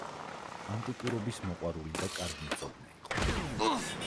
ანტიკურობის მოყვარული და კარგი მცოდნე იყო.